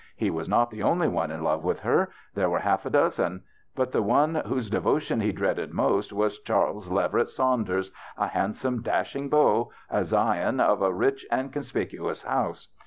He was not the only one in love with her ; there were half a dozen ; but the one whose devotion he dreaded most was Charles Leverett Saunders, a handsome dashing beau, a scion of a rich and conspicu ous house.